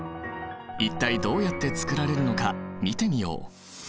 一体どうやってつくられるのか見てみよう。